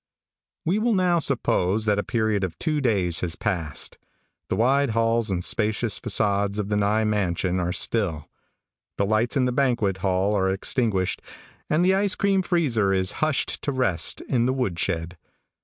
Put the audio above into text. We will now suppose that a period of two days has passed. The wide halls and spacious façades of the Nye mansion are still. The lights in the banquet hall are extinguished, and the ice cream freezer is hushed to rest in the wood sned.